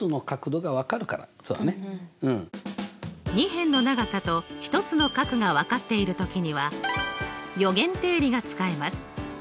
２辺の長さと１つの角が分かっている時には余弦定理が使えます。